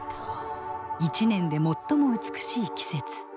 一年で最も美しい季節。